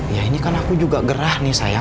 ya ini kan aku juga gerah nih saya